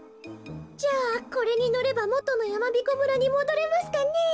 じゃあこれにのればもとのやまびこ村にもどれますかねえ。